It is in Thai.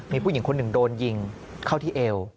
มีผู้หญิงคนหนึ่งโดนยิงเข้าที่เอว